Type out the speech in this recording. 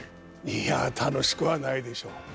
いや、楽しくはないでしょ。